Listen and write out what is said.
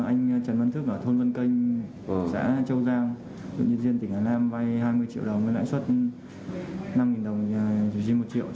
tự nhiên riêng tỉnh hà nam vay hai mươi triệu đồng với lãi suất năm đồng giữ riêng một triệu trên ngày